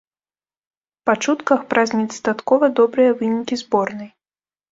Па чутках, праз недастаткова добрыя вынікі зборнай.